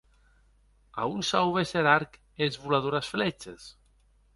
A on sauves er arc e es voladores flèches?